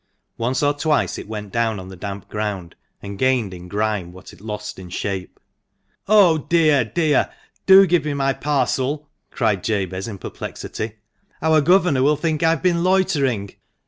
Once or twice it went down on the damp ground, and gained in grime what it lost in shape. " Oh ! dear, dear ! do give me my parcel !" cried Jabez, in perplexity. " Our governor will think I've been loitering."